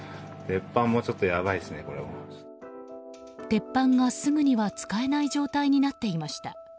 鉄板がすぐには使えない状態になっていました。